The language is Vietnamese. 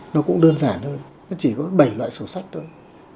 nó chỉ có bảy loại sổ sách thôi